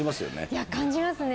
いや、感じますね。